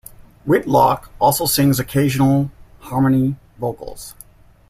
Whitlock also sings occasional harmony vocals.